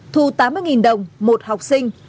thu tám mươi đồng một học sinh